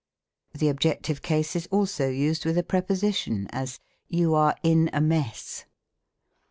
'^ The Objective Case is also used with a preposition : as, "You are in a mess."